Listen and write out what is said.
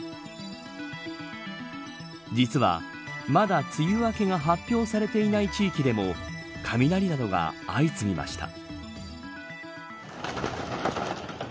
実は、まだ梅雨明けが発表されていない地域でも雷などが相次ぎました。